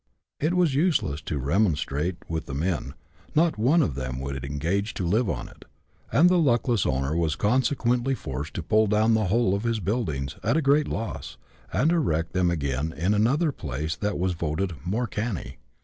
It was useless to remonstrate with the men, not one of them would engage to live on it ; and the luckless owner was consequently forced to pull down the whole of his buildings, at a great loss, and erect them again in another place that was voted " more canny."